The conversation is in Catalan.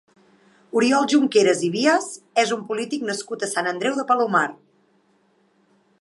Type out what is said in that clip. Oriol Junqueras i Vies és un polític nascut a Sant Andreu de Palomar.